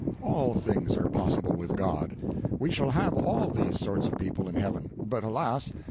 All things are possible with God. We shall have all these sorts of people in heaven; but, alas!